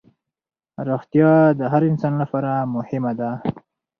روغتیا د هر انسان لپاره مهمه ده